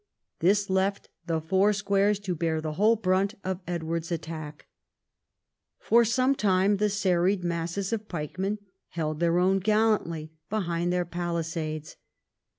This left the four squares to bear the whole brunt of Edward's attack. For some time the serried masses of pikcmen held their own gallantly behind their palisades.